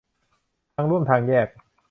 ทางร่วมทางแยก